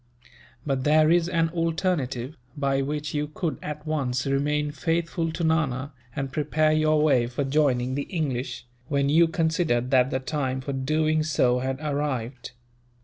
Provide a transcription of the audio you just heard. But there is an alternative, by which you could at once remain faithful to Nana, and prepare your way for joining the English, when you considered that the time for doing so had arrived."